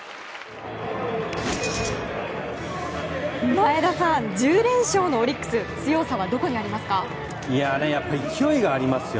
前田さん１０連勝のオリックス強さはどこにありますか？